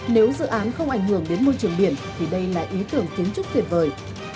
nếu dự án không ảnh hưởng đến môi trường biển thì đây là ý tưởng kiến trúc tuyệt vời